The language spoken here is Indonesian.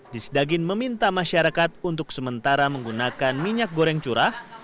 disdagin meminta masyarakat untuk sementara menggunakan minyak goreng curah